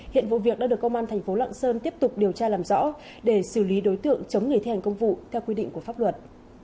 hiện vụ việc đã được công an thành phố lạng sơn tiếp tục điều tra làm rõ để xử lý đối tượng chống người thi hành công vụ theo quy định của pháp luật